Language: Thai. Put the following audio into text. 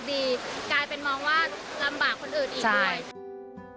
กลายเป็นมองว่าลำบากคนอื่นอีกด้วย